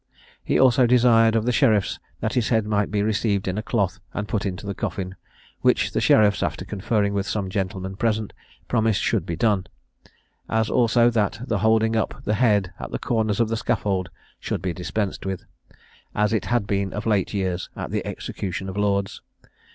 He also desired of the sheriffs that his head might be received in a cloth, and put into the coffin, which the sheriffs, after conferring with some gentlemen present, promised should be done; as also that the holding up the head at the corners of the scaffold should be dispensed with, as it had been of late years at the execution of lords.